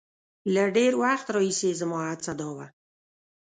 له ډېر وخت راهیسې زما هڅه دا وه.